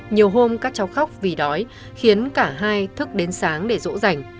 nhiều hôm các cháu khóc vì đói khiến cả hai thức đến sáng để rỗ rành